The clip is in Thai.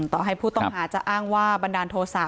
ต่อให้ผู้ต้องหาจะอ้างว่าบันดาลโทษะ